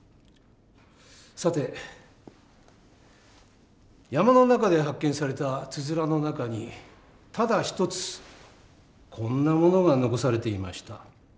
さて山の中で発見されたつづらの中にただ一つこんなものが残されていました。